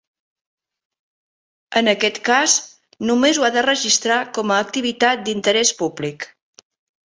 En aquest cas només ho ha de registrar com a activitat d'interés públic.